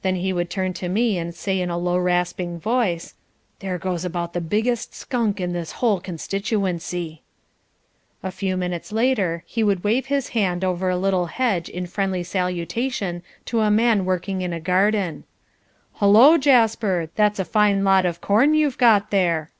Then he would turn to me and say in a low rasping voice "There goes about the biggest skunk in this whole constituency." A few minutes later he would wave his hand over a little hedge in friendly salutation to a man working in a garden. "Hullo, Jasper! That's a fine lot of corn you've got there."